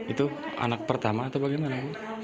itu anak pertama atau bagaimana